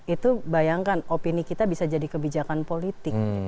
itu bayangkan opini kita bisa jadi kebijakan politik